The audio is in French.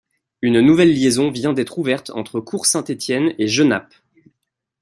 Une nouvelle liaison vient d'être ouverte entre Court-Saint-Étienne et Genappe.